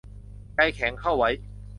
ใจแข็งเข้าไว้